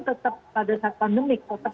tetap pada saat pandemik tetap